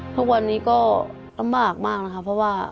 ทุกวันนี้ก็ลำบากมากนะคะเพราะว่า